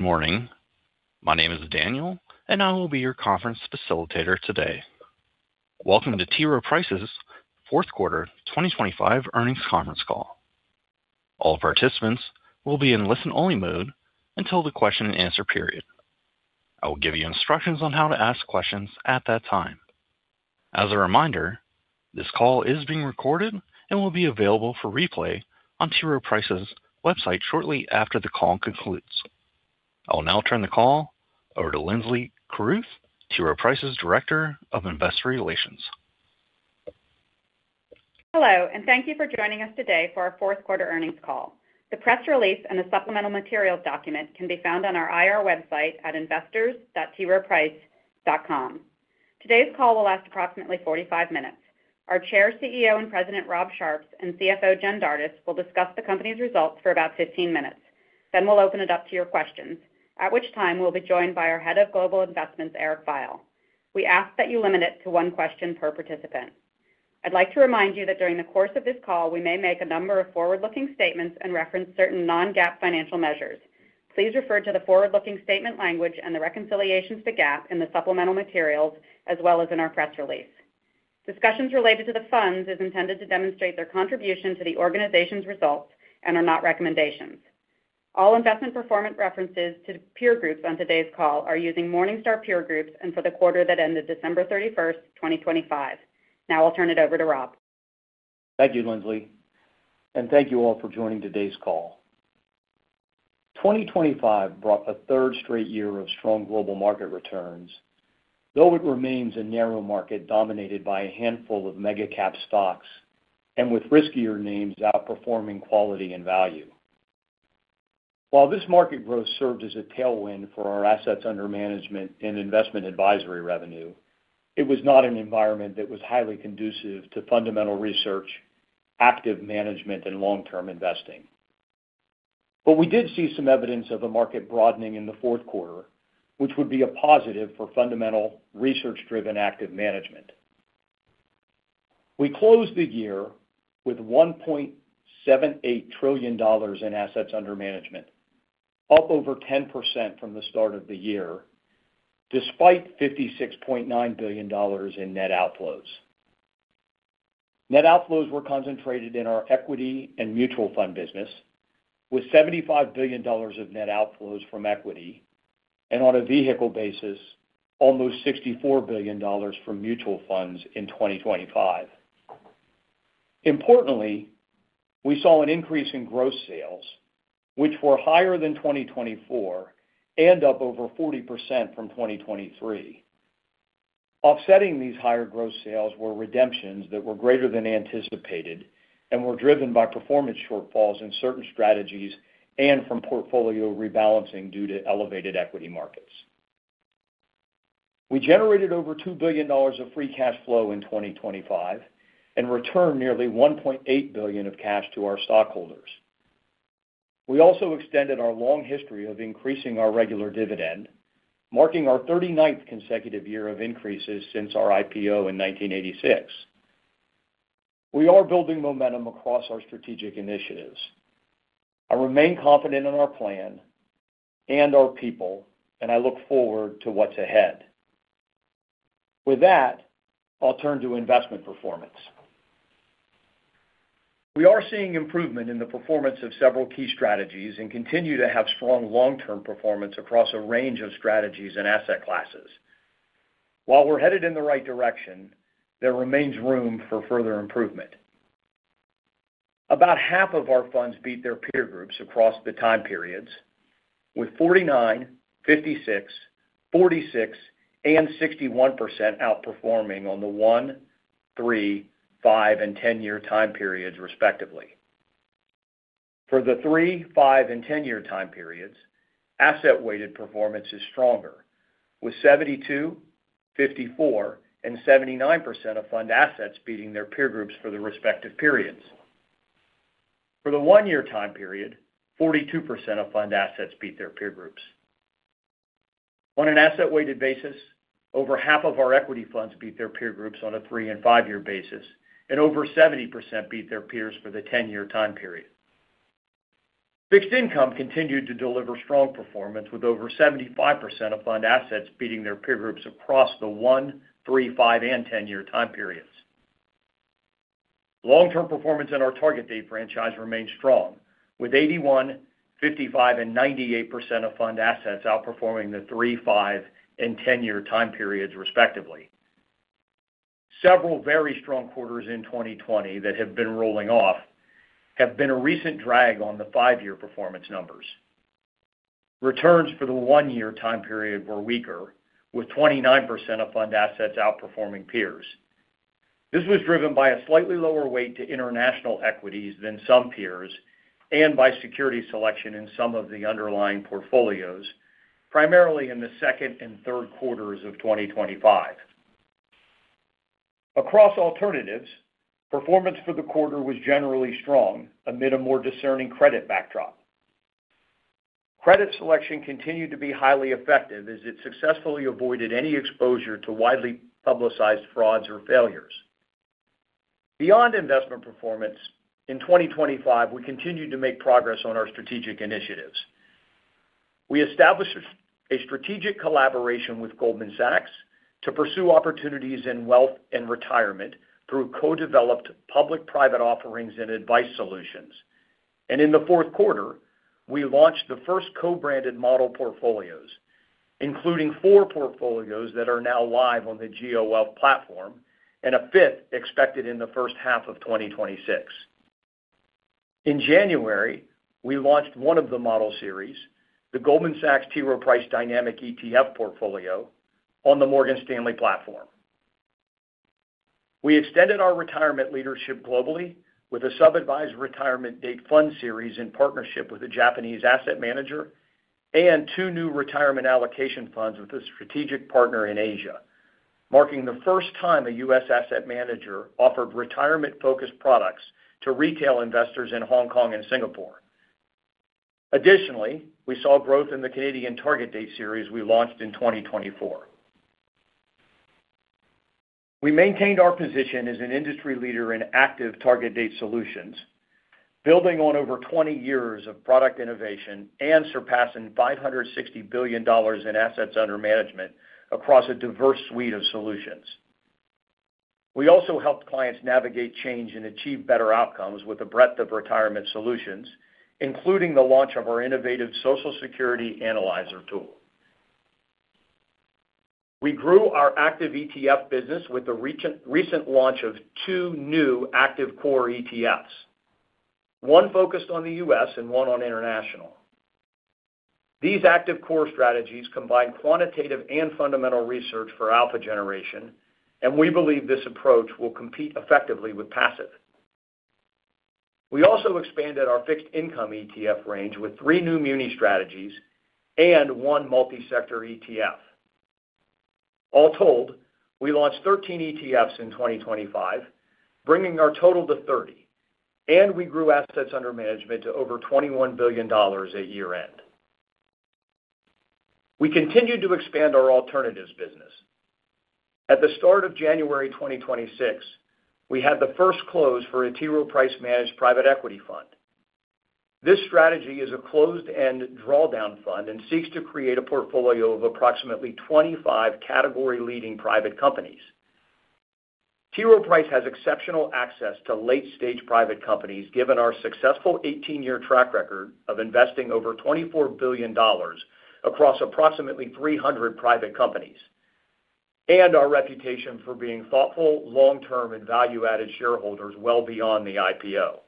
Good morning. My name is Daniel, and I will be your conference facilitator today. Welcome to T. Rowe Price's Fourth Quarter 2025 Earnings Conference Call. All participants will be in listen-only mode until the Q&A period. I will give you instructions on how to ask questions at that time. As a reminder, this call is being recorded and will be available for replay on T. Rowe Price's website shortly after the call concludes. I will now turn the call over to Linsley Carruth, T. Rowe Price's Director of Investor Relations. Hello, and thank you for joining us today for our Fourth Quarter Earnings Call. The press release and the supplemental materials document can be found on our IR website at investors.troweprice.com. Today's call will last approximately 45 minutes. Our Chair, CEO, and President, Rob Sharps, and CFO, Jen Dardis, will discuss the company's results for about 15 minutes. Then we'll open it up to your questions, at which time we'll be joined by our Head of Global Investments, Eric Veiel. We ask that you limit it to one question per participant. I'd like to remind you that during the course of this call, we may make a number of forward-looking statements and reference certain non-GAAP financial measures. Please refer to the forward-looking statement language and the reconciliations to GAAP in the supplemental materials, as well as in our press release. Discussions related to the funds are intended to demonstrate their contribution to the organization's results and are not recommendations. All investment performance references to peer groups on today's call are using Morningstar peer groups and for the quarter that ended December thirty-first, 2025. Now I'll turn it over to Rob. Thank you, Linsley, and thank you all for joining today's call. 2025 brought a third straight year of strong global market returns, though it remains a narrow market dominated by a handful of mega cap stocks and with riskier names outperforming quality and value. While this market growth served as a tailwind for our assets under management and investment advisory revenue, it was not an environment that was highly conducive to fundamental research, active management, and long-term investing. But we did see some evidence of a market broadening in the fourth quarter, which would be a positive for fundamental, research-driven, active management. We closed the year with $1.78 trillion in assets under management, up over 10% from the start of the year, despite $56.9 billion in net outflows. Net outflows were concentrated in our equity and mutual fund business, with $75 billion of net outflows from equity, and on a vehicle basis, almost $64 billion from mutual funds in 2025. Importantly, we saw an increase in gross sales, which were higher than 2024 and up over 40% from 2023. Offsetting these higher gross sales were redemptions that were greater than anticipated and were driven by performance shortfalls in certain strategies and from portfolio rebalancing due to elevated equity markets. We generated over $2 billion of free cash flow in 2025 and returned nearly $1.8 billion of cash to our stockholders. We also extended our long history of increasing our regular dividend, marking our 39th consecutive year of increases since our IPO in 1986. We are building momentum across our strategic initiatives. I remain confident in our plan and our people, and I look forward to what's ahead. With that, I'll turn to investment performance. We are seeing improvement in the performance of several key strategies and continue to have strong long-term performance across a range of strategies and asset classes. While we're headed in the right direction, there remains room for further improvement. About half of our funds beat their peer groups across the time periods, with 49, 56, 46, and 61% outperforming on the one, three, five, and 10-year time periods, respectively. For the three, five, and 10-year time periods, asset-weighted performance is stronger, with 72, 54, and 79% of fund assets beating their peer groups for the respective periods. For the oneyear time period, 42% of fund assets beat their peer groups. On an asset-weighted basis, over half of our equity funds beat their peer groups on a three and fiveyear basis, and over 70% beat their peers for the 10-year time period. Fixed income continued to deliver strong performance, with over 75% of fund assets beating their peer groups across the one, three, five, and 10-year time periods. Long-term performance in our target date franchise remains strong, with 81%, 55%, and 98% of fund assets outperforming the three, five, and 10-year time periods, respectively. Several very strong quarters in 2020 that have been rolling off have been a recent drag on the fiveyear performance numbers. Returns for the oneyear time period were weaker, with 29% of fund assets outperforming peers. This was driven by a slightly lower weight to international equities than some peers and by security selection in some of the underlying portfolios, primarily in the second and third quarters of 2025. Across alternatives, performance for the quarter was generally strong amid a more discerning credit backdrop. Credit selection continued to be highly effective as it successfully avoided any exposure to widely publicized frauds or failures. Beyond investment performance, in 2025, we continued to make progress on our strategic initiatives. We established a strategic collaboration with Goldman Sachs to pursue opportunities in wealth and retirement through co-developed public-private offerings and advice solutions. In the fourth quarter, we launched the first co-branded model portfolios, including four portfolios that are now live on the GeoWealth platform, and a fifth expected in the first half of 2026. In January, we launched one of the model series, the Goldman Sachs T. Rowe Price Dynamic ETF Portfolio, on the Morgan Stanley platform. We extended our retirement leadership globally with a sub-advised target date fund series in partnership with a Japanese asset manager, and two new retirement allocation funds with a strategic partner in Asia, marking the first time a U.S. asset manager offered retirement-focused products to retail investors in Hong Kong and Singapore. Additionally, we saw growth in the Canadian target date series we launched in 2024. We maintained our position as an industry leader in active target date solutions, building on over 20 years of product innovation and surpassing $560 billion in assets under management across a diverse suite of solutions. We also helped clients navigate change and achieve better outcomes with a breadth of retirement solutions, including the launch of our innovative Social Security Analyzer tool. We grew our active ETF business with the recent launch of two new active core ETFs, one focused on the U.S. and one on international. These active core strategies combine quantitative and fundamental research for alpha generation, and we believe this approach will compete effectively with passive. We also expanded our fixed income ETF range with three new muni strategies and one multi-sector ETF. All told, we launched 13 ETFs in 2025, bringing our total to 30, and we grew assets under management to over $21 billion at year-end. We continued to expand our alternatives business. At the start of January 2026, we had the first close for a T. Rowe Price managed private equity fund. This strategy is a closed-end drawdown fund and seeks to create a portfolio of approximately 25 category-leading private companies. T. Rowe Price has exceptional access to late-stage private companies, given our successful 18-year track record of investing over $24 billion across approximately 300 private companies, and our reputation for being thoughtful, long-term, and value-added shareholders well beyond the IPO.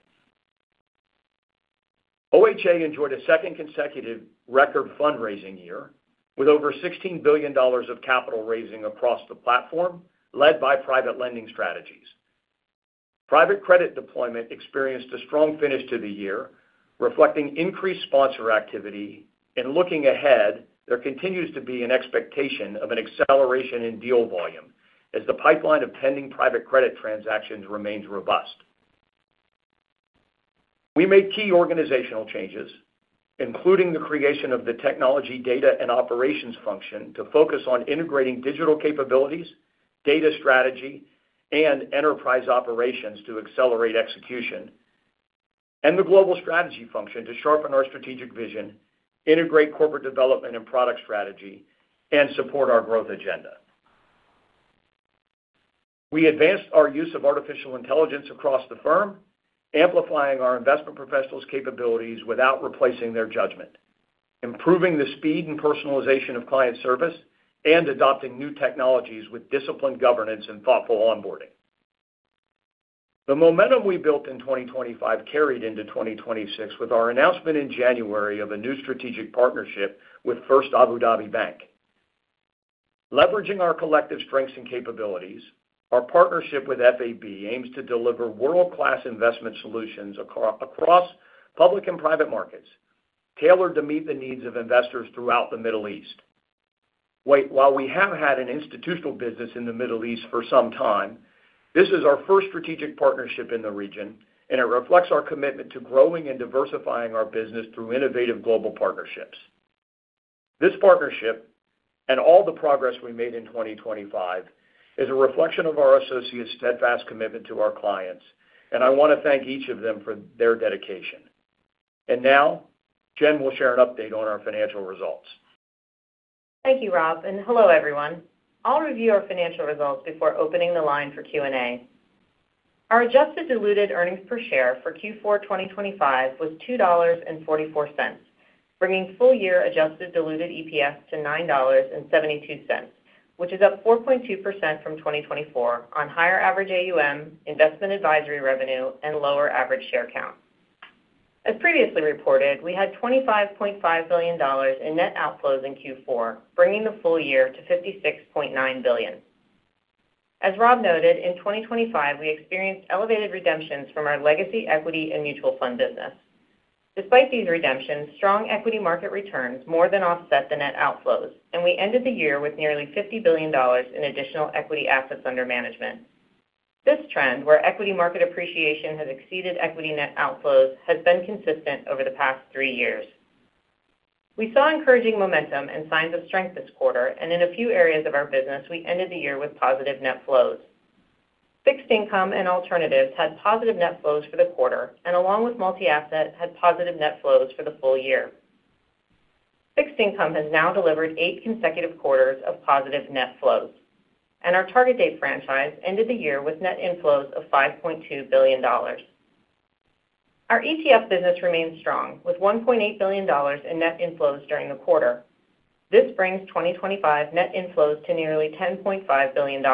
OHA enjoyed a second consecutive record fundraising year, with over $16 billion of capital raising across the platform, led by private lending strategies. Private credit deployment experienced a strong finish to the year, reflecting increased sponsor activity, and looking ahead, there continues to be an expectation of an acceleration in deal volume as the pipeline of pending private credit transactions remains robust. We made key organizational changes, including the creation of the Technology, Data, and Operations function, to focus on integrating digital capabilities, data strategy, and enterprise operations to accelerate execution, and the Global Strategy function to sharpen our strategic vision, integrate corporate development and product strategy, and support our growth agenda. We advanced our use of artificial intelligence across the firm, amplifying our investment professionals' capabilities without replacing their judgment, improving the speed and personalization of client service, and adopting new technologies with disciplined governance and thoughtful onboarding. The momentum we built in 2025 carried into 2026, with our announcement in January of a new strategic partnership with First Abu Dhabi Bank. Leveraging our collective strengths and capabilities, our partnership with FAB aims to deliver world-class investment solutions across public and private markets, tailored to meet the needs of investors throughout the Middle East. Wait, while we have had an institutional business in the Middle East for some time, this is our first strategic partnership in the region, and it reflects our commitment to growing and diversifying our business through innovative global partnerships. This partnership, and all the progress we made in 2025, is a reflection of our associates' steadfast commitment to our clients, and I want to thank each of them for their dedication. Now, Jen will share an update on our financial results. Thank you, Rob, and hello, everyone. I'll review our financial results before opening the line for Q&A. Our adjusted diluted earnings per share for Q4 2025 was $2.44, bringing full-year adjusted diluted EPS to $9.72, which is up 4.2% from 2024 on higher average AUM, investment advisory revenue, and lower average share count. As previously reported, we had $25.5 billion in net outflows in Q4, bringing the full year to $56.9 billion. As Rob noted, in 2025, we experienced elevated redemptions from our legacy equity and mutual fund business. Despite these redemptions, strong equity market returns more than offset the net outflows, and we ended the year with nearly $50 billion in additional equity assets under management. This trend, where equity market appreciation has exceeded equity net outflows, has been consistent over the past three years. We saw encouraging momentum and signs of strength this quarter, and in a few areas of our business, we ended the year with positive net flows. Fixed income and alternatives had positive net flows for the quarter, and along with multi-asset, had positive net flows for the full year. Fixed income has now delivered eight consecutive quarters of positive net flows, and our target date franchise ended the year with net inflows of $5.2 billion. Our ETF business remains strong, with $1.8 billion in net inflows during the quarter. This brings 2025 net inflows to nearly $10.5 billion.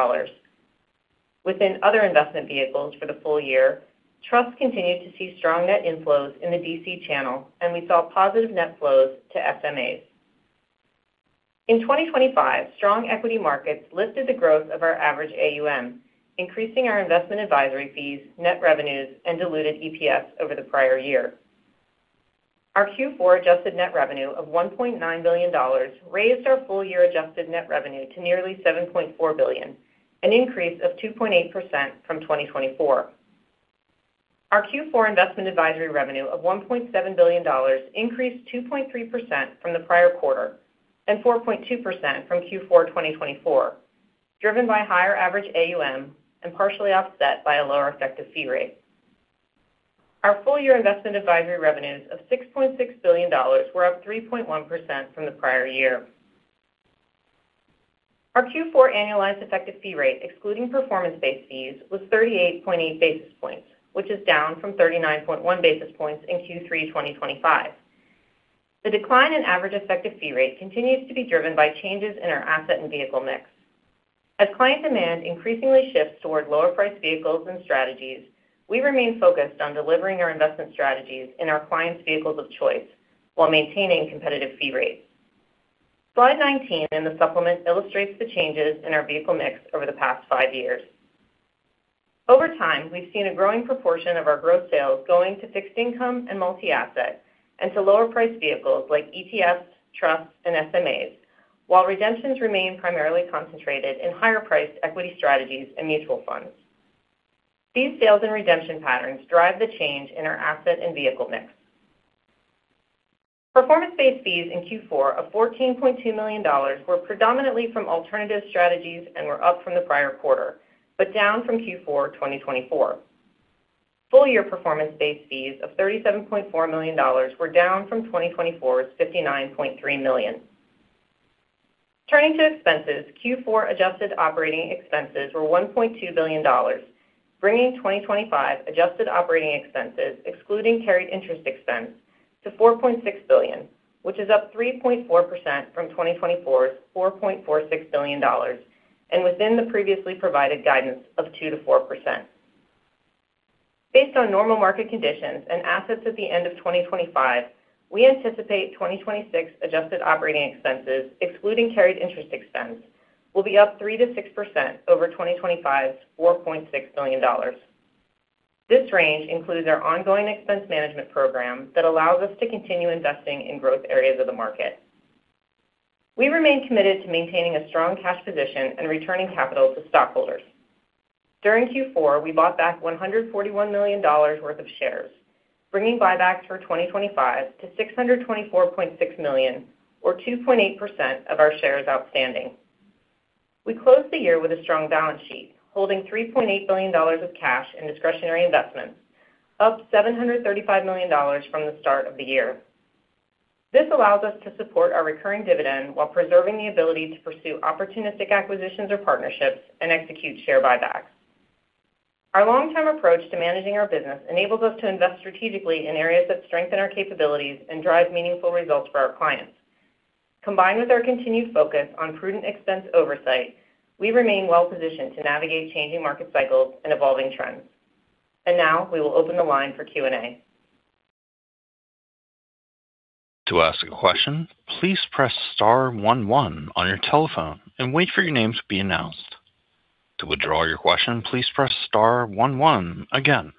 Within other investment vehicles for the full year, trusts continued to see strong net inflows in the DC channel, and we saw positive net flows to SMAs. In 2025, strong equity markets lifted the growth of our average AUM, increasing our investment advisory fees, net revenues, and diluted EPS over the prior year. Our Q4 adjusted net revenue of $1.9 billion raised our full-year adjusted net revenue to nearly $7.4 billion, an increase of 2.8% from 2024. Our Q4 investment advisory revenue of $1.7 billion increased 2.3% from the prior quarter and 4.2% from Q4 2024, driven by higher average AUM and partially offset by a lower effective fee rate. Our full-year investment advisory revenues of $6.6 billion were up 3.1% from the prior year. Our Q4 annualized effective fee rate, excluding performance-based fees, was 38.8 basis points, which is down from 39.1 basis points in Q3 2025. The decline in average effective fee rate continues to be driven by changes in our asset and vehicle mix. As client demand increasingly shifts toward lower-priced vehicles and strategies, we remain focused on delivering our investment strategies in our clients' vehicles of choice while maintaining competitive fee rates. Slide 19 in the supplement illustrates the changes in our vehicle mix over the past five years. Over time, we've seen a growing proportion of our growth sales going to fixed income and multi-asset, and to lower-priced vehicles like ETFs, trusts, and SMAs, while redemptions remain primarily concentrated in higher-priced equity strategies and mutual funds. These sales and redemption patterns drive the change in our asset and vehicle mix. Performance-based fees in Q4 of $14.2 million were predominantly from alternative strategies and were up from the prior quarter, but down from Q4 2024. Full-year performance-based fees of $37.4 million were down from 2024's $59.3 million. Turning to expenses, Q4 adjusted operating expenses were $1.2 billion, bringing 2025 adjusted operating expenses, excluding carried interest expense, to $4.6 billion, which is up 3.4% from 2024's $4.46 billion, and within the previously provided guidance of 2%-4%. Based on normal market conditions and assets at the end of 2025, we anticipate 2026 adjusted operating expenses, excluding carried interest expense, will be up 3%-6% over 2025's $4.6 billion. This range includes our ongoing expense management program that allows us to continue investing in growth areas of the market. We remain committed to maintaining a strong cash position and returning capital to stockholders. During Q4, we bought back $141 million worth of shares, bringing buybacks for 2025 to $624.6 million, or 2.8% of our shares outstanding. We closed the year with a strong balance sheet, holding $3.8 billion of cash and discretionary investments, up $735 million from the start of the year. This allows us to support our recurring dividend while preserving the ability to pursue opportunistic acquisitions or partnerships and execute share buybacks. Our long-term approach to managing our business enables us to invest strategically in areas that strengthen our capabilities and drive meaningful results for our clients. Combined with our continued focus on prudent expense oversight, we remain well positioned to navigate changing market cycles and evolving trends. Now, we will open the line for Q&A. To ask a question, please press star one one on your telephone and wait for your name to be announced. To withdraw your question, please press star one one again.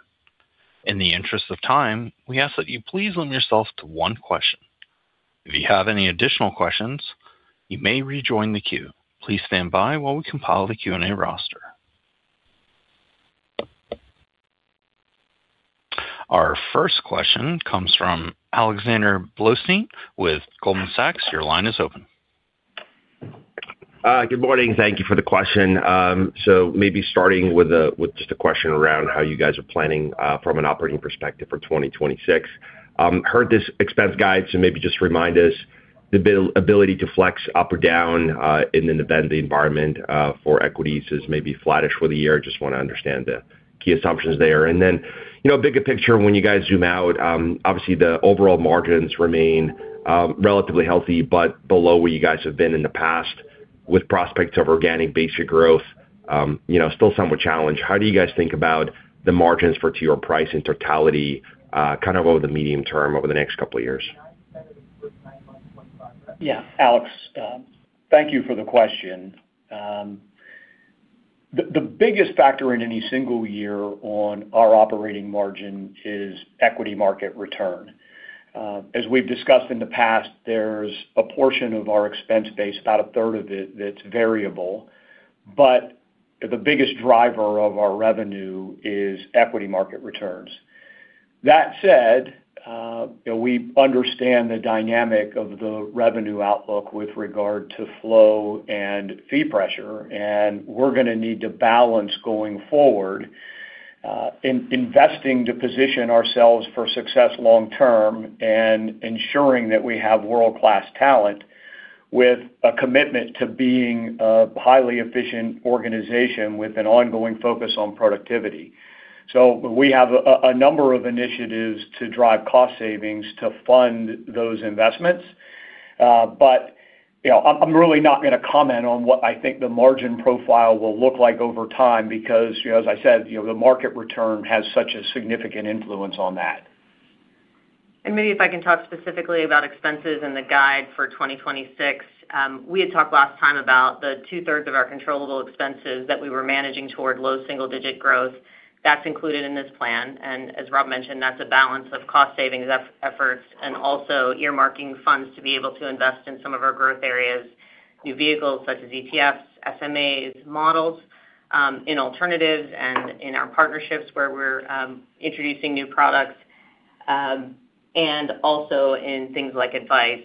In the interest of time, we ask that you please limit yourself to one question. If you have any additional questions, you may rejoin the queue. Please stand by while we compile the Q&A roster. Our first question comes from Alexander Blostein with Goldman Sachs. Your line is open. Good morning. Thank you for the question. So maybe starting with just a question around how you guys are planning from an operating perspective for 2026. Heard this expense guide, so maybe just remind us the ability to flex up or down in an event the environment for equities is maybe flattish for the year. I just want to understand the key assumptions there. And then, you know, bigger picture, when you guys zoom out, obviously, the overall margins remain relatively healthy, but below where you guys have been in the past with prospects of organic basic growth, you know, still somewhat challenged. How do you guys think about the margins for T. Rowe Price in totality, kind of over the medium term, over the next couple of years? Yeah, Alex, thank you for the question. The biggest factor in any single year on our operating margin is equity market return. As we've discussed in the past, there's a portion of our expense base, about a third of it, that's variable. But the biggest driver of our revenue is equity market returns. That said, you know, we understand the dynamic of the revenue outlook with regard to flow and fee pressure, and we're gonna need to balance going forward in investing to position ourselves for success long term and ensuring that we have world-class talent with a commitment to being a highly efficient organization with an ongoing focus on productivity. So we have a number of initiatives to drive cost savings to fund those investments. But, you know, I'm really not gonna comment on what I think the margin profile will look like over time, because, you know, as I said, you know, the market return has such a significant influence on that. Maybe if I can talk specifically about expenses and the guide for 2026. We had talked last time about the two-thirds of our controllable expenses that we were managing toward low single-digit growth. That's included in this plan, and as Rob mentioned, that's a balance of cost savings efforts and also earmarking funds to be able to invest in some of our growth areas, new vehicles such as ETFs, SMAs, models, in alternatives and in our partnerships, where we're introducing new products, and also in things like advice.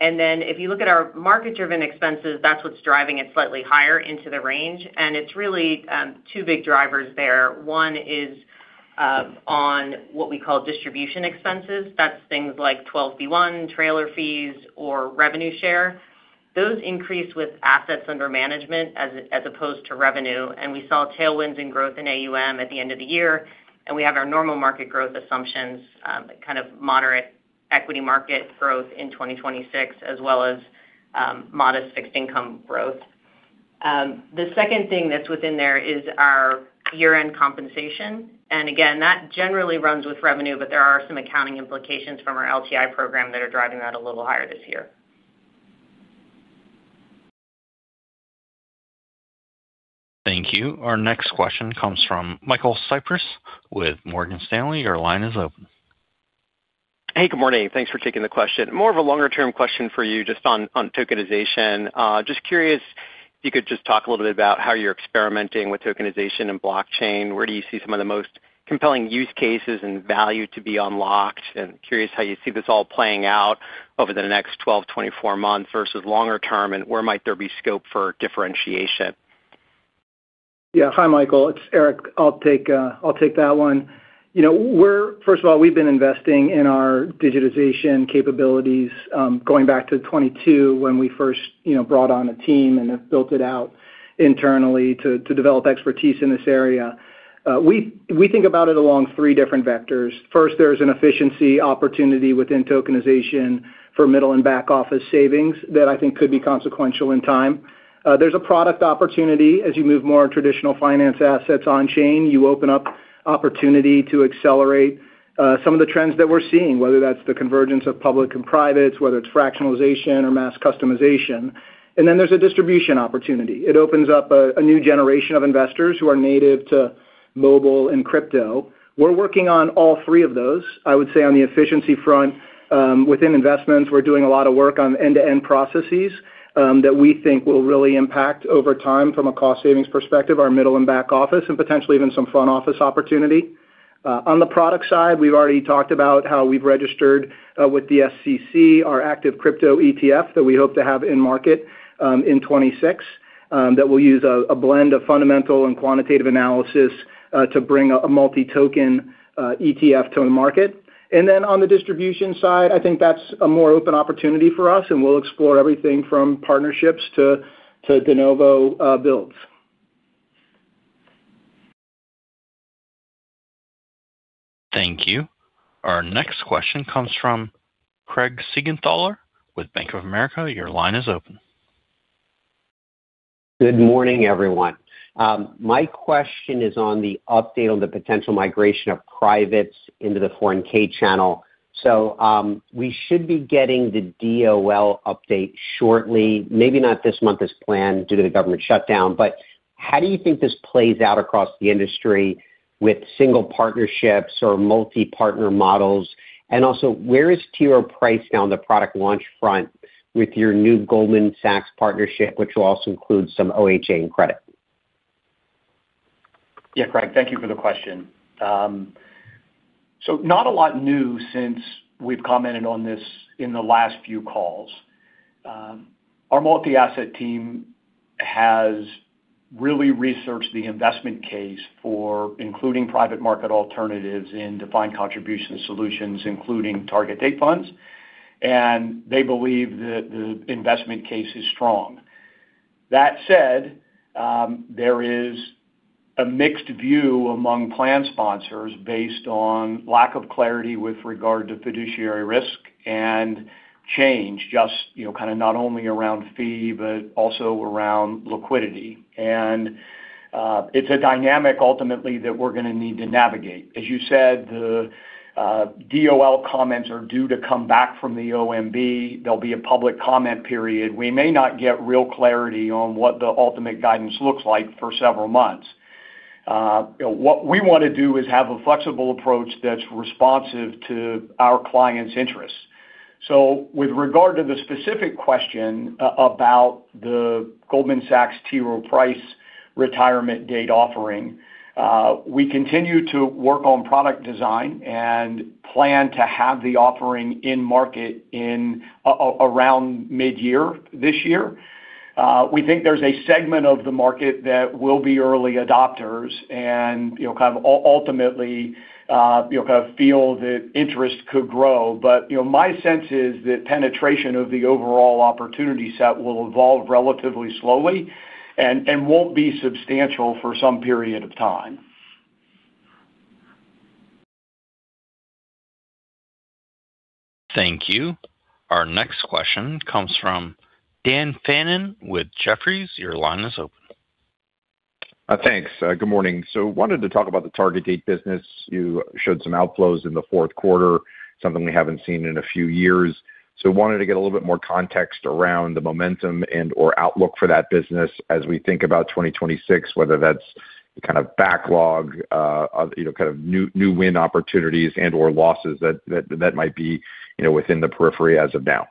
Then, if you look at our market-driven expenses, that's what's driving it slightly higher into the range. And it's really two big drivers there. One is on what we call distribution expenses. That's things like 12b-1, trailer fees, or revenue share. Those increase with assets under management as opposed to revenue, and we saw tailwinds in growth in AUM at the end of the year, and we have our normal market growth assumptions, kind of moderate equity market growth in 2026, as well as modest fixed income growth. The second thing that's within there is our year-end compensation. And again, that generally runs with revenue, but there are some accounting implications from our LTI program that are driving that a little higher this year. Thank you. Our next question comes from Michael Cyprys with Morgan Stanley. Your line is open. Hey, good morning. Thanks for taking the question. More of a longer-term question for you, just on tokenization. Just curious if you could just talk a little bit about how you're experimenting with tokenization and blockchain. Where do you see some of the most compelling use cases and value to be unlocked? And curious how you see this all playing out over the next 12, 24 months versus longer term, and where might there be scope for differentiation? Yeah. Hi, Michael. It's Eric. I'll take, I'll take that one. You know, we're, first of all, we've been investing in our digitization capabilities, going back to 2022, when we first, you know, brought on a team and have built it out internally to, to develop expertise in this area. We, we think about it along three different vectors. First, there's an efficiency opportunity within tokenization for middle and back office savings that I think could be consequential in time. There's a product opportunity. As you move more traditional finance assets on chain, you open up opportunity to accelerate, some of the trends that we're seeing, whether that's the convergence of public and privates, whether it's fractionalization or mass customization. And then there's a distribution opportunity. It opens up a, a new generation of investors who are native to mobile and crypto. We're working on all three of those. I would say on the efficiency front, within investments, we're doing a lot of work on end-to-end processes, that we think will really impact, over time, from a cost savings perspective, our middle and back office, and potentially even some front office opportunity. On the product side, we've already talked about how we've registered, with the SEC, our active crypto ETF that we hope to have in market, in 2026, that will use a blend of fundamental and quantitative analysis, to bring a multi-token ETF to the market. And then on the distribution side, I think that's a more open opportunity for us, and we'll explore everything from partnerships to de novo builds. Thank you. Our next question comes from Craig Siegenthaler with Bank of America. Your line is open. Good morning, everyone. My question is on the update on the potential migration of privates into the 401(k) channel. So, we should be getting the DOL update shortly, maybe not this month as planned, due to the government shutdown. But how do you think this plays out across the industry with single partnerships or multi-partner models? And also, where is T. Rowe Price now on the product launch front with your new Goldman Sachs partnership, which will also include some OHA and credit? Yeah, Craig, thank you for the question. So not a lot new since we've commented on this in the last few calls. Our multi-asset team has really researched the investment case for including private market alternatives in defined contribution solutions, including target date funds, and they believe that the investment case is strong. That said, there is a mixed view among plan sponsors based on lack of clarity with regard to fiduciary risk and change, just, you know, kind of not only around fee, but also around liquidity. It's a dynamic ultimately that we're gonna need to navigate. As you said, the DOL comments are due to come back from the OMB. There'll be a public comment period. We may not get real clarity on what the ultimate guidance looks like for several months. What we want to do is have a flexible approach that's responsive to our clients' interests. So with regard to the specific question about the Goldman Sachs T. Rowe Price retirement date offering, we continue to work on product design and plan to have the offering in market around mid-year, this year. We think there's a segment of the market that will be early adopters and, you know, kind of ultimately, you know, kind of feel that interest could grow. But, you know, my sense is that penetration of the overall opportunity set will evolve relatively slowly and won't be substantial for some period of time. Thank you. Our next question comes from Dan Fannon with Jefferies. Your line is open. Thanks. Good morning. So wanted to talk about the target date business. You showed some outflows in the fourth quarter, something we haven't seen in a few years. So wanted to get a little bit more context around the momentum and/or outlook for that business as we think about 2026, whether that's kind of backlog, you know, kind of new win opportunities and/or losses that might be, you know, within the periphery as of now.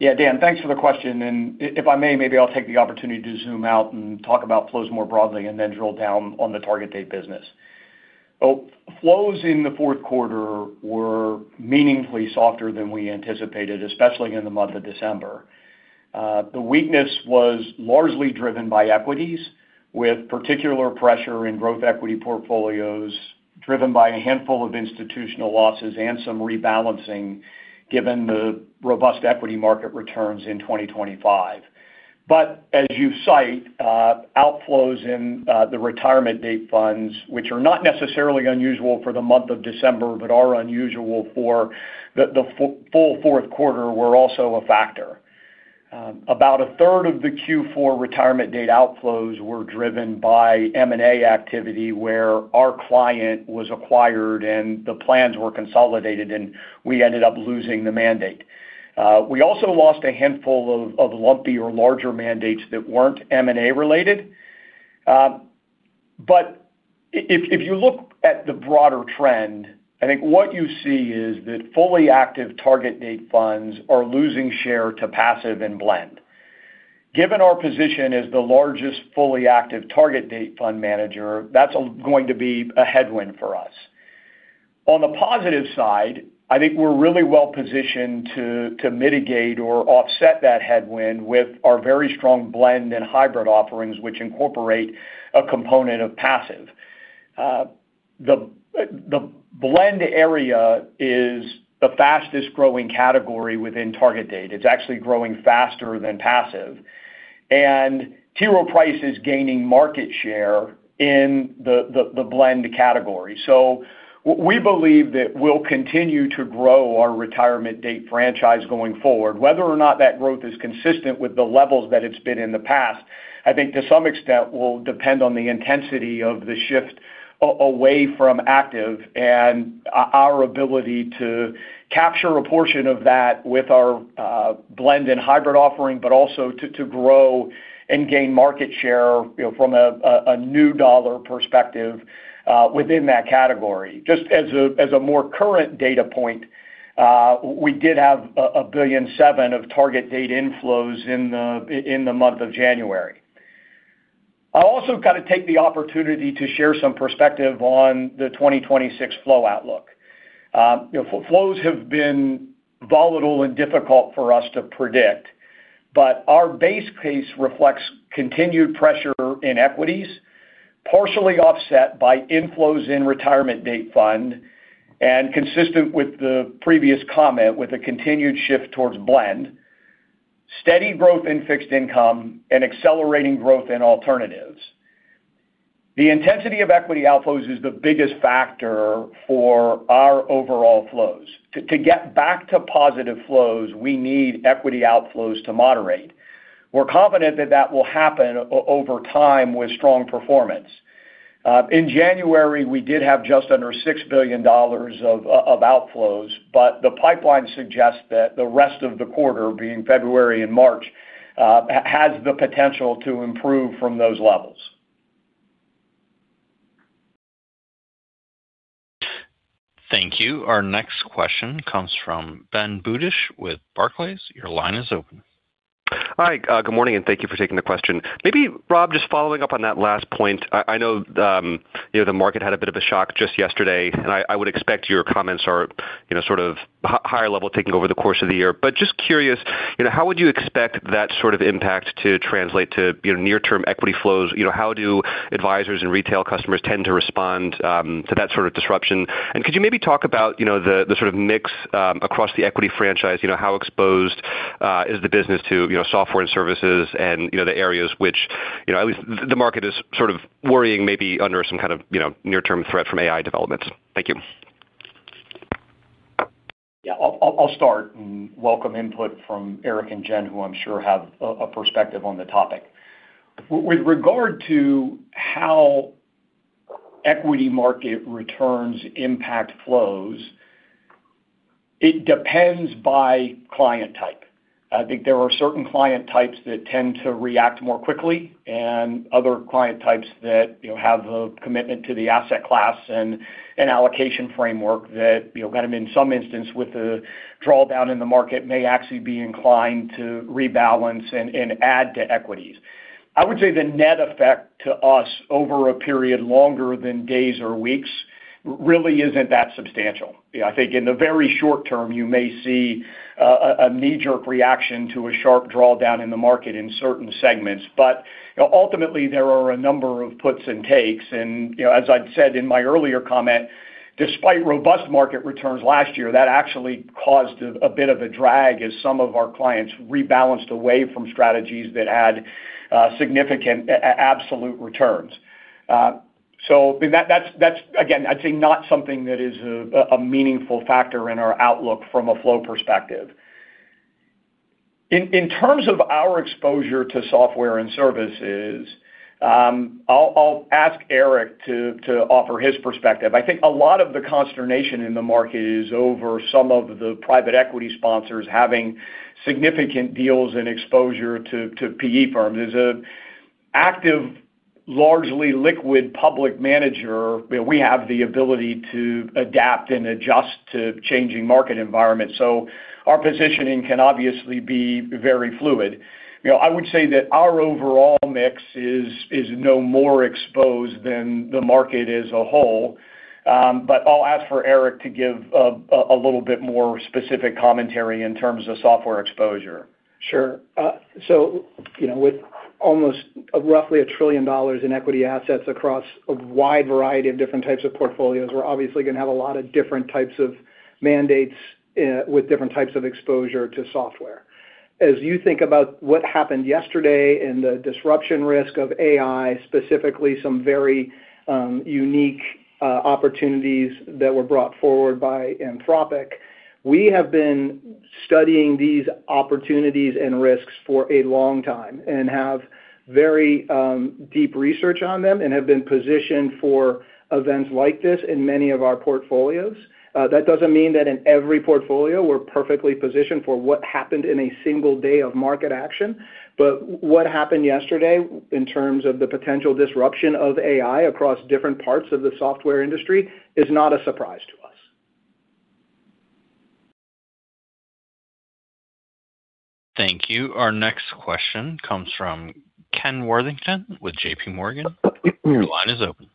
Yeah, Dan, thanks for the question, and if I may, maybe I'll take the opportunity to zoom out and talk about flows more broadly and then drill down on the target date business. Well, flows in the fourth quarter were meaningfully softer than we anticipated, especially in the month of December. The weakness was largely driven by equities, with particular pressure in growth equity portfolios, driven by a handful of institutional losses and some rebalancing, given the robust equity market returns in 2025. But as you cite, outflows in the retirement date funds, which are not necessarily unusual for the month of December, but are unusual for the full fourth quarter, were also a factor. About a third of the Q4 retirement date outflows were driven by M&A activity, where our client was acquired and the plans were consolidated, and we ended up losing the mandate. We also lost a handful of lumpy or larger mandates that weren't M&A related. But if you look at the broader trend, I think what you see is that fully active target date funds are losing share to passive and blend. Given our position as the largest fully active target date fund manager, that's going to be a headwind for us. On the positive side, I think we're really well positioned to mitigate or offset that headwind with our very strong blend and hybrid offerings, which incorporate a component of passive. The blend area is the fastest-growing category within target date. It's actually growing faster than passive, and T. Rowe Price is gaining market share in the blend category. So we believe that we'll continue to grow our target date franchise going forward. Whether or not that growth is consistent with the levels that it's been in the past, I think to some extent will depend on the intensity of the shift away from active, and our ability to capture a portion of that with our blend and hybrid offering, but also to grow and gain market share, you know, from a new dollar perspective within that category. Just as a more current data point, we did have $1.7 billion of target date inflows in the month of January. I'll also kind of take the opportunity to share some perspective on the 2026 flow outlook. You know, flows have been volatile and difficult for us to predict, but our base case reflects continued pressure in equities, partially offset by inflows in target-date fund, and consistent with the previous comment, with a continued shift towards blend, steady growth in fixed income, and accelerating growth in alternatives. The intensity of equity outflows is the biggest factor for our overall flows. To get back to positive flows, we need equity outflows to moderate. We're confident that that will happen over time with strong performance. In January, we did have just under $6 billion of outflows, but the pipeline suggests that the rest of the quarter, being February and March, has the potential to improve from those levels. Thank you. Our next question comes from Ben Budish with Barclays. Your line is open. Hi, good morning, and thank you for taking the question. Maybe, Rob, just following up on that last point, I know you know the market had a bit of a shock just yesterday, and I would expect your comments are, you know, sort of higher level, taking over the course of the year. But just curious, you know, how would you expect that sort of impact to translate to, you know, near-term equity flows? You know, how do advisers and retail customers tend to respond to that sort of disruption? And could you maybe talk about, you know, the sort of mix across the equity franchise? You know, how exposed is the business to, you know, software and services and, you know, the areas which, you know, at least the market is sort of worrying maybe under some kind of, you know, near-term threat from AI developments? Thank you. Yeah, I'll start and welcome input from Eric and Jen, who I'm sure have a perspective on the topic. With regard to how equity market returns impact flows. It depends by client type. I think there are certain client types that tend to react more quickly and other client types that, you know, have a commitment to the asset class and allocation framework that, you know, kind of in some instance, with the drawdown in the market, may actually be inclined to rebalance and add to equities. I would say the net effect to us over a period longer than days or weeks really isn't that substantial. I think in the very short term, you may see a knee-jerk reaction to a sharp drawdown in the market in certain segments. But ultimately, there are a number of puts and takes. You know, as I'd said in my earlier comment, despite robust market returns last year, that actually caused a bit of a drag as some of our clients rebalanced away from strategies that had significant absolute returns. So that, that's, again, I'd say, not something that is a meaningful factor in our outlook from a flow perspective. In terms of our exposure to software and services, I'll ask Eric to offer his perspective. I think a lot of the consternation in the market is over some of the private equity sponsors having significant deals and exposure to PE firms. As an active, largely liquid public manager, we have the ability to adapt and adjust to changing market environments, so our positioning can obviously be very fluid. You know, I would say that our overall mix is no more exposed than the market as a whole. But I'll ask for Eric to give a little bit more specific commentary in terms of software exposure. Sure. So, you know, with almost roughly $1 trillion in equity assets across a wide variety of different types of portfolios, we're obviously going to have a lot of different types of mandates, with different types of exposure to software. As you think about what happened yesterday and the disruption risk of AI, specifically, some very unique opportunities that were brought forward by Anthropic, we have been studying these opportunities and risks for a long time and have very deep research on them and have been positioned for events like this in many of our portfolios. That doesn't mean that in every portfolio, we're perfectly positioned for what happened in a single day of market action. But what happened yesterday, in terms of the potential disruption of AI across different parts of the software industry, is not a surprise to us. Thank you. Our next question comes from Ken Worthington with JPMorgan. Your line is open.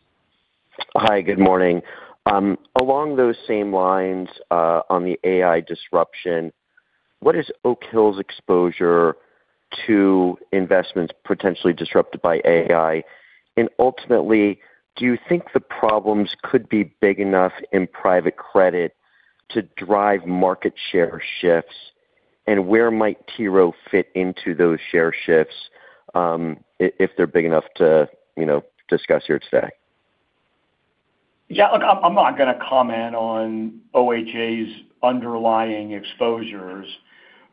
Hi, good morning. Along those same lines, on the AI disruption, what is Oak Hill's exposure to investments potentially disrupted by AI? And ultimately, do you think the problems could be big enough in private credit to drive market share shifts? And where might T. Rowe fit into those share shifts, if they're big enough to, you know, discuss here today? Yeah, look, I'm not going to comment on OHA's underlying exposures.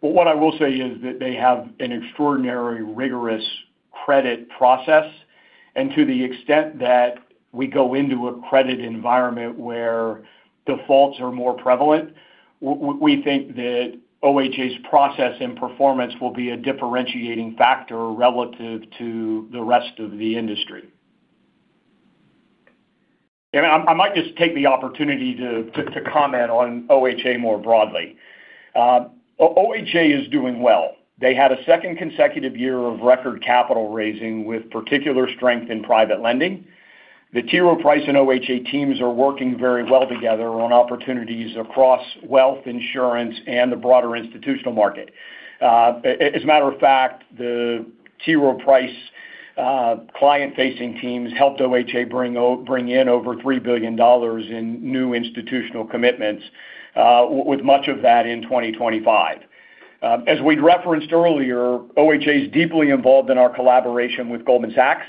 But what I will say is that they have an extraordinary rigorous credit process, and to the extent that we go into a credit environment where defaults are more prevalent, we think that OHA's process and performance will be a differentiating factor relative to the rest of the industry. And I might just take the opportunity to comment on OHA more broadly. OHA is doing well. They had a second consecutive year of record capital raising, with particular strength in private lending. The T. Rowe Price and OHA teams are working very well together on opportunities across wealth, insurance, and the broader institutional market. As a matter of fact, the T. Rowe Price client-facing teams helped OHA bring in over $3 billion in new institutional commitments, with much of that in 2025. As we'd referenced earlier, OHA is deeply involved in our collaboration with Goldman Sachs.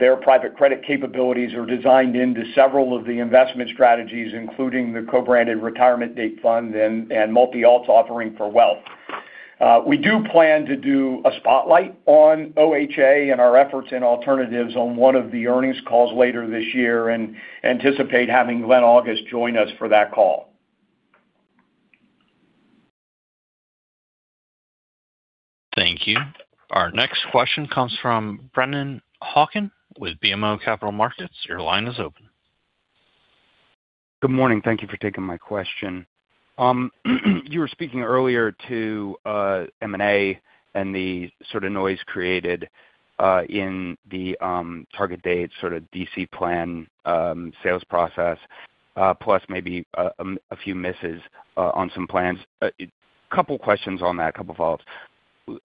Their private credit capabilities are designed into several of the investment strategies, including the co-branded retirement date fund and multi-alts offering for wealth. We do plan to do a spotlight on OHA and our efforts in alternatives on one of the earnings calls later this year, and anticipate having Glenn August join us for that call. Thank you. Our next question comes from Brennan Hawken with BMO Capital Markets. Your line is open. Good morning. Thank you for taking my question. You were speaking earlier to M&A and the sort of noise created in the target date, sort of DC plan sales process, plus maybe a few misses on some plans. Couple questions on that, couple of follows.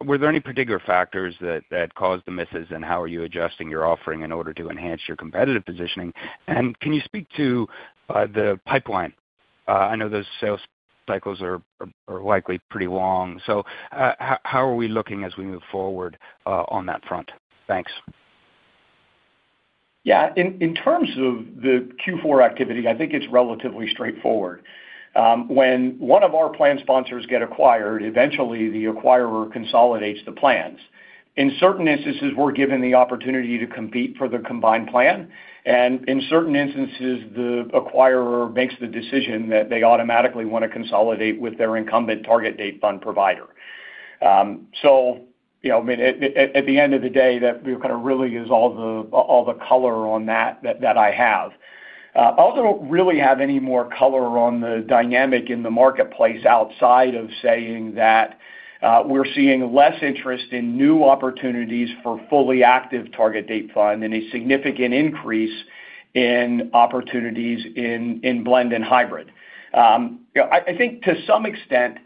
Were there any particular factors that, that caused the misses, and how are you adjusting your offering in order to enhance your competitive positioning? And can you speak to the pipeline? I know those sales cycles are, are likely pretty long, so how, how are we looking as we move forward on that front? Thanks. Yeah, in terms of the Q4 activity, I think it's relatively straightforward. When one of our plan sponsors get acquired, eventually the acquirer consolidates the plans. In certain instances, we're given the opportunity to compete for the combined plan, and in certain instances, the acquirer makes the decision that they automatically want to consolidate with their incumbent target date fund provider. So, you know, I mean, at the end of the day, that kind of really is all the color on that I have. I also don't really have any more color on the dynamic in the marketplace outside of saying that, we're seeing less interest in new opportunities for fully active target date fund and a significant increase in opportunities in blend and hybrid. You know, I think to some extent,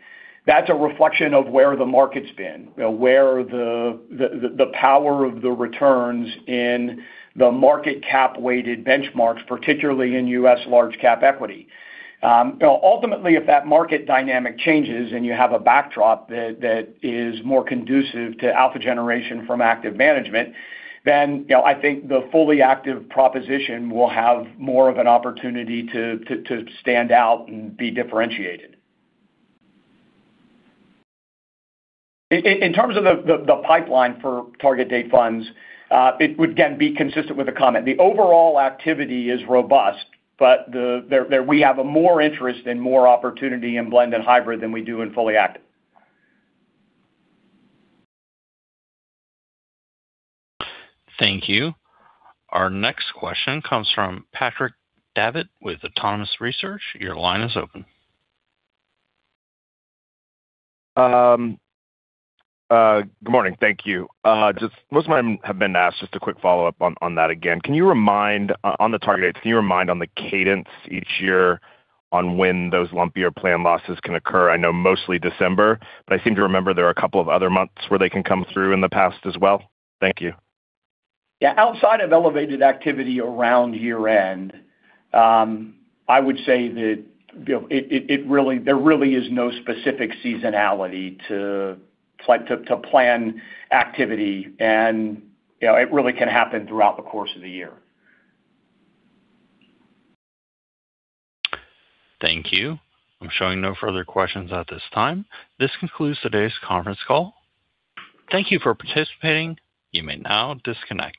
that's a reflection of where the market's been, where the power of the returns in the market cap-weighted benchmarks, particularly in U.S. large cap equity. Ultimately, if that market dynamic changes and you have a backdrop that is more conducive to alpha generation from active management, then, you know, I think the fully active proposition will have more of an opportunity to stand out and be differentiated. In terms of the pipeline for target date funds, it would, again, be consistent with the comment. The overall activity is robust, but there, we have a more interest and more opportunity in blend and hybrid than we do in fully active. Thank you. Our next question comes from Patrick Davitt with Autonomous Research. Your line is open. Good morning. Thank you. Just most of mine have been asked, just a quick follow-up on that again. Can you remind on the target dates on the cadence each year on when those lumpier plan losses can occur? I know mostly December, but I seem to remember there are a couple of other months where they can come through in the past as well. Thank you. Yeah, outside of elevated activity around year-end, I would say that, you know, it really, there really is no specific seasonality to plan activity, and, you know, it really can happen throughout the course of the year. Thank you. I'm showing no further questions at this time. This concludes today's conference call. Thank you for participating. You may now disconnect.